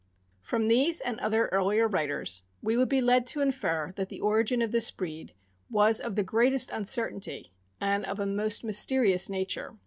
From these and other earlier writers, we would be led to infer that the origin of this breed was of the greatest uncer tainty, and of a most mysterious nature.